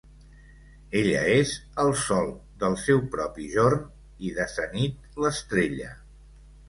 Ella és el sol del seu propi jorn i de sa nit l’estrella.